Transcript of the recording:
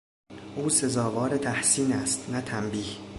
او سزاوار تحسین است نه تنبیه!